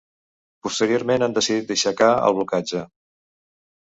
Posteriorment han decidit d’aixecar el blocatge.